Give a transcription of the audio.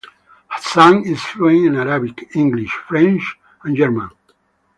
Hassan is fluent in Arabic, English, French and German.